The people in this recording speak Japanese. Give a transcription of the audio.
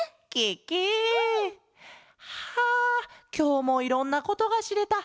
ケケ！はあきょうもいろんなことがしれた。